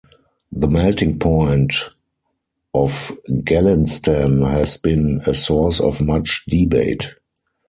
The melting point of Galinstan has been a source of much debate.